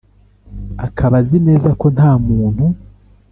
Akaba azi neza ko nta muntu